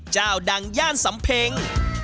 เจ้าดังย่านสำเพ็ง